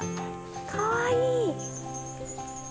かわいい！